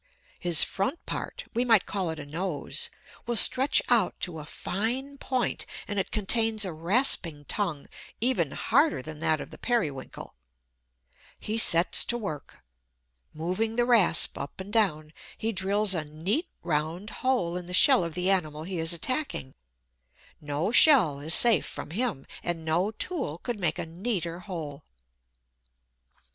His front part we might call it a nose will stretch out to a fine point; and it contains a rasping tongue even harder than that of the Periwinkle. He sets to work. Moving the rasp up and down, he drills a neat round hole in the shell of the animal he is attacking. No shell is safe from him; and no tool could make a neater hole.